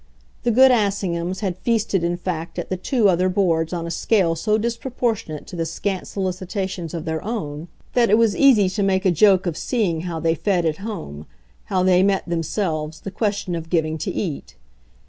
The good Assinghams had feasted in fact at the two other boards on a scale so disproportionate to the scant solicitations of their own that it was easy to make a joke of seeing how they fed at home, how they met, themselves, the question of giving to eat.